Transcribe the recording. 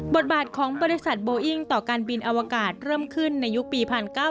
บทบาทของบริษัทโบอิ้งต่อการบินอวกาศเริ่มขึ้นในยุคปี๑๙๙